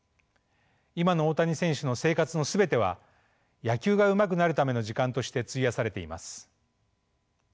今の大谷選手の生活の全ては野球がうまくなるための時間として費やされています。